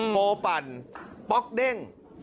โปปั่นป๊อกเด้ง